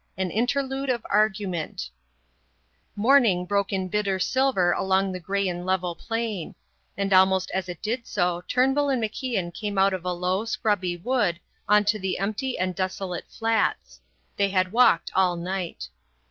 AN INTERLUDE OF ARGUMENT Morning broke in bitter silver along the grey and level plain; and almost as it did so Turnbull and MacIan came out of a low, scrubby wood on to the empty and desolate flats. They had walked all night.